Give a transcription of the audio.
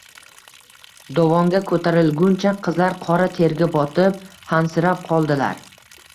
Dovonga koʼtarilguncha qizlar qora terga botib, hansirab qoldilar.